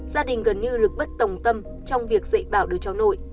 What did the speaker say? gia đình gần như lực bất tổng tâm trong việc dạy bảo đứa cháu nội